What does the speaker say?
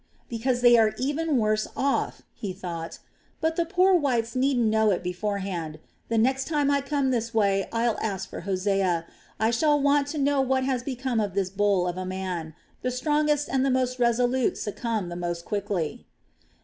"Because they are even worse off," he thought. "But the poor wights needn't know it beforehand. The next time I come this way I'll ask for Hosea; I shall want to know what has become of this bull of a man. The strongest and the most resolute succumb the most quickly."